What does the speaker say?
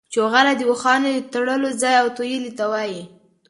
چوغالی د اوښانو د تړلو ځای او تویلې ته وايي.